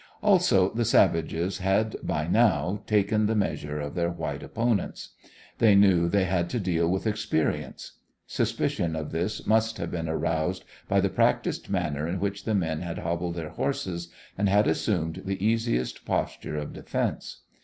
Also, the savages had by now taken the measure of their white opponents. They knew they had to deal with experience. Suspicion of this must have been aroused by the practised manner in which the men had hobbled their horses and had assumed the easiest posture of defence.